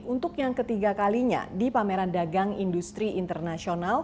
untuk yang ketiga kalinya di pameran dagang industri internasional